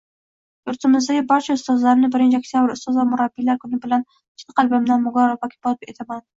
Yurtimizdagi barcha ustozlarni birinchi oktyabr ustoz va murabbiylar kuni bilan chin qalbimdan muborakbod etaman!